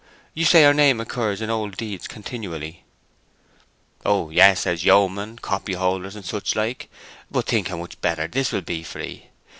You say our name occurs in old deeds continually." "Oh yes—as yeomen, copyholders, and such like. But think how much better this will be for 'ee.